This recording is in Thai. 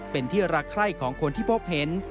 เป็นที่รักใคร่ของคนที่พบเห็น